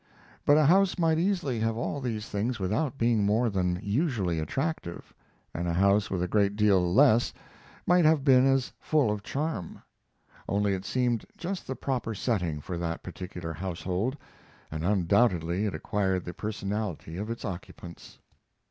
But a house might easily have all these things without being more than usually attractive, and a house with a great deal less might have been as full of charm; only it seemed just the proper setting for that particular household, and undoubtedly it acquired the personality of its occupants.